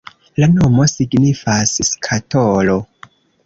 La nomo signifas skatolo.